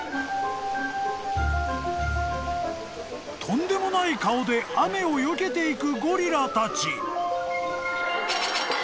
［とんでもない顔で雨をよけていくゴリラたち］